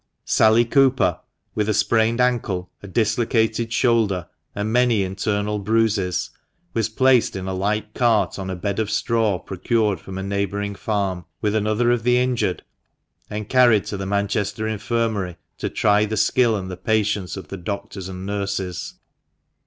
Sally Cooper, with a sprained ancle, a dislocated shoulder, and many internal bruises, was placed in a light cart on a bed of straw procured from a neighbouring farm, with another of the injured, and carried to the Manchester Infirmary, to try the skill and the patience of the doctors and nurses.